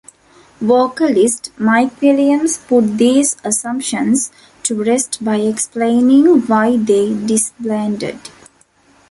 Vocalist Mike Williams put these assumptions to rest by explaining why they disbanded.